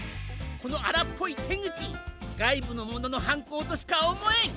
このあらっぽいてぐちがいぶのもののはんこうとしかおもえん！